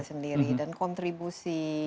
sendiri dan kontribusi